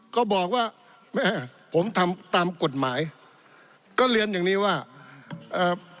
ก็บอกว่าแม่ผมทำตามกฎหมายก็เรียนอย่างนี้ว่าเอ่อ